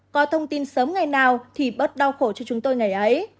có thông tin sớm ngày nào thì bớt đau khổ cho chúng tôi ngày ấy